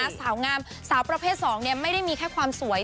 สาวงามสาวประเภท๒ไม่ได้มีแค่ความสวย